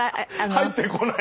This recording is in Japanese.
入ってこない。